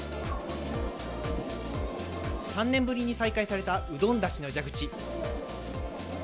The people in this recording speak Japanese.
３年ぶりに再開された、うどんだしの蛇口。